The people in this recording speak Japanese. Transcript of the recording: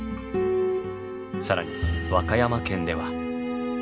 更に和歌山県では。